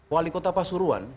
wali kota pasuruan